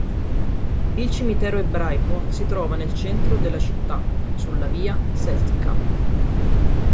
Il cimitero ebraico si trova nel centro della città, sulla via Ševs'ka.